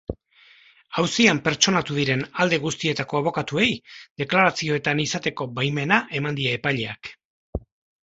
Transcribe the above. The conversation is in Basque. Auzian pertsonatu diren alde guztietako abokatuei deklarazioetan izateko baimena eman die epaileak.